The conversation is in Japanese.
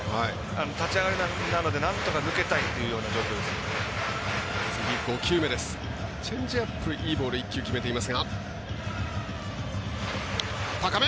立ち上がりなのでなんとか抜けたいというような状況です。